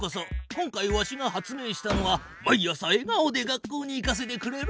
今回わしが発明したのは毎朝えがおで学校に行かせてくれるマシン。